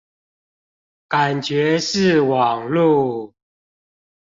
感覺是網路